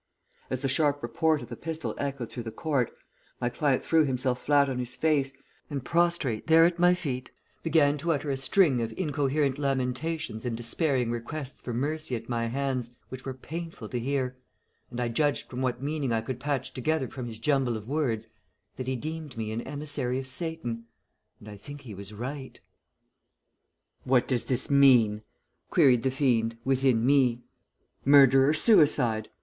As the sharp report of the pistol echoed through the court my client threw himself flat on his face, and prostrate there at my feet began to utter a string of incoherent lamentations and despairing requests for mercy at my hands which were painful to hear, and I judged from what meaning I could patch together from his jumble of words, that he deemed me an emissary of Satan, and I think he was right. "'What does this mean?' queried the fiend within me. 'Murder or suicide?